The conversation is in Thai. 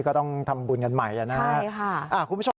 ก็ต้องทำบุญกันใหม่นะครับคุณผู้ชม